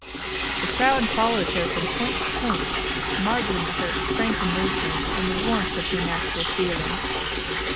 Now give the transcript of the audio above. The crowd followed her from point to point, marvelling at her frank emotion and the warmth of her natural feeling.